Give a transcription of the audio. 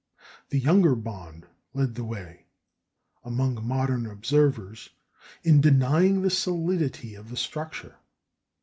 The younger Bond led the way, among modern observers, in denying the solidity of the structure.